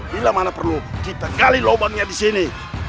bila mana perlu kita gali lubangnya di sini